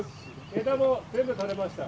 枝も全部取れました。